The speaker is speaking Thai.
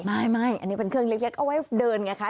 ไม่อันนี้เป็นเครื่องเล็กเอาไว้เดินไงคะ